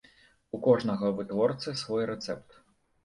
У кожнага вытворцы свой рэцэпт.